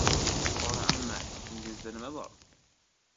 Qora amma», ichingizda nima bor?